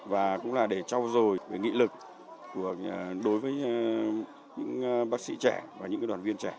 và cũng là để trao dồi nghị lực đối với những bác sĩ trẻ và những đoàn viên trẻ